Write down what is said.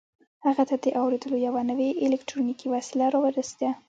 هغه ته د اورېدلو یوه نوې الکټرونیکي وسیله را ورسېده